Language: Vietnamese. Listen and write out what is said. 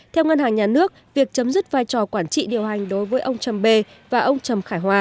theo ngân hàng nhà nước việc chấm dứt vai trò quản trị điều hành đối với ông trầm bê và ông trầm khải hòa